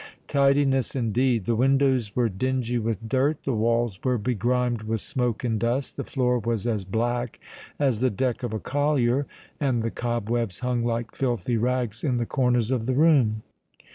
Tidiness indeed! The windows were dingy with dirt—the walls were begrimed with smoke and dust—the floor was as black as the deck of a collier—and the cob webs hung like filthy rags in the corners of the room.